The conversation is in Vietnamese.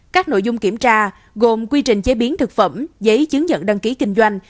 các nội dung kiểm tra gồm quy trình chế biến thực phẩm giấy chứng nhận đăng ký kinh doanh